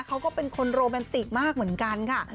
เขาก็เป็นคนโรแมนติกมากเหมือนกันค่ะ